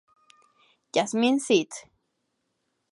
Jasmin St.